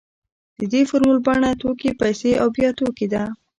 د دې فورمول بڼه توکي پیسې او بیا توکي ده